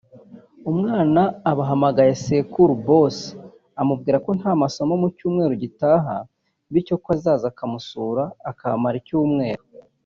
umwana aba ahamagaye sekuru (boss) amubwira ko nta masomo mu cyumweru gitaha bityo ko azaza akamusura akahamara icyumweru